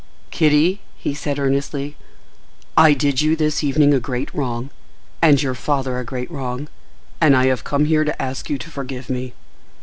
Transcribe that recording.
"Kitty," he said earnestly, "I did you this evening a great wrong, and your father a great wrong, and I have come here to ask you to forgive me.